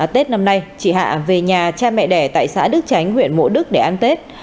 tết năm nay chị hạ về nhà cha mẹ đẻ tại xã đức tránh huyện mộ đức để ăn tết